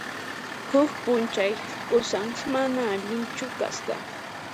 Huk p'unchay qusan mana allinchu kasqa.